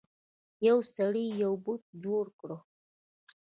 یو سړي یو بت جوړ کړ.